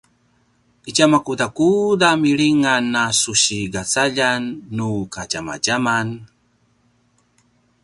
itja makudakuda milingan a su sigacaljan nu kadjamadjaman?